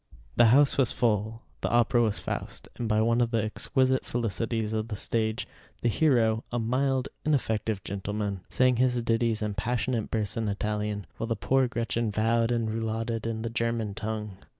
The house was full: the opera was "Faust," and by one of the exquisite felicities of the stage, the hero, a mild, ineffective gentleman, sang his ditties and passionate bursts in Italian, while the poor Gretchen vowed and rouladed in the German tongue.